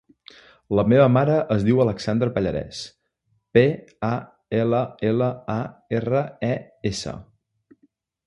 La meva mare es diu Alexandra Pallares: pe, a, ela, ela, a, erra, e, essa.